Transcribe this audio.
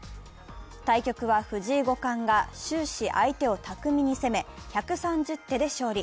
対局は藤井五冠が終始、相手を巧みに攻め、１３０手で勝利。